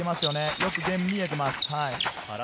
よく剣が見えています。